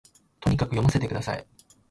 とにかく読ませて下さい